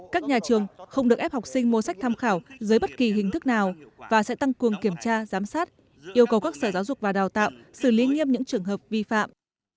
các nhà trường không được ép học sinh mua sách tham khảo dưới bất kỳ hình thức nào và sẽ tăng cường kiểm tra giám sát yêu cầu các sở giáo dục và đào tạo xử lý nghiêm những trường hợp vi phạm